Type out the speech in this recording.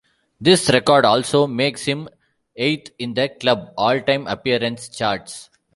This record also makes him eighth in the club's all-time appearance charts.